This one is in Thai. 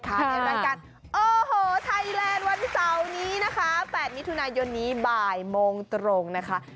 ในรายการโอ้โหไทยแลนด์วันเสาร์นี้นะคะ๘มิถุนายนนี้บ่ายโมงตรงนะคะ